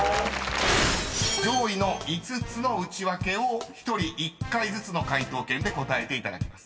［上位の５つのウチワケを１人１回ずつの解答権で答えていただきます］